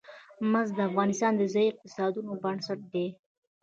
مس د افغانستان د ځایي اقتصادونو بنسټ دی.